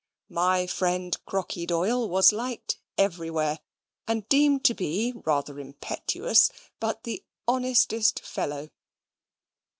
My friend Crocky Doyle was liked everywhere, and deemed to be rather impetuous but the honestest fellow.